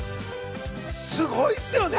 すごいっすよね。